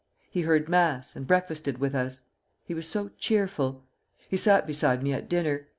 He heard mass, and breakfasted with us. He was so cheerful. He sat beside me at dinner.